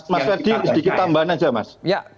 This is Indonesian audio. mas ferdi sedikit tambahan aja mas